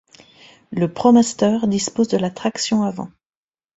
Le ProMaster dispose de la traction avant.